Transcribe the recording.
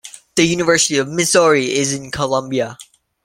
The University of Missouri is in Columbia.